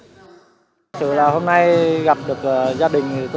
thực sự là hôm nay gặp được gia đình